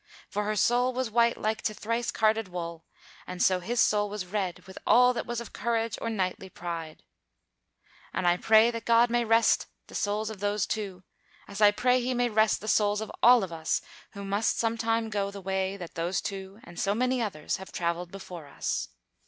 For her soul was white like to thrice carded wool, and so his soul was red with all that was of courage or knightly pride. And I pray that God may rest the souls of those two as I pray He may rest the souls of all of us who must some time go the way that those two and so many others have travelled before us.